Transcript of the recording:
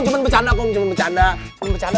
cuman becanda cuman becanda besan